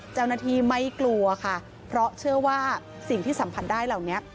เจ้าหน้าที่ไม่กลัวค่ะเพราะเชื่อว่าสิ่งที่สัมผัสได้เหล่านี้